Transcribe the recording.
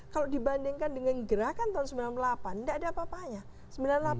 kalau dibandingkan dengan gerakan tahun seribu sembilan ratus sembilan puluh delapan tidak ada apa apanya